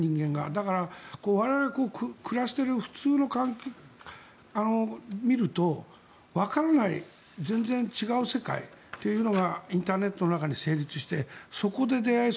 だから、我々が暮らしている普通の環境から見るとわからない全然違う世界というのがインターネットの中に成立してそこで出会い